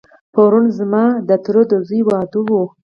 پرون ځما دتره دځوی واده و.